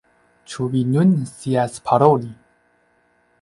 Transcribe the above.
Ĉu vi nun scias paroli?